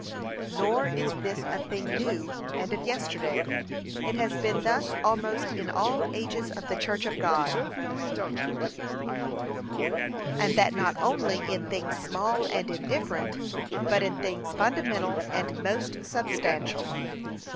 Nor is this a thing new, and of yesterday; it has been thus almost in all ages of the church of God, and that not only in things small and indifferent, but in things fundamental and most substantial.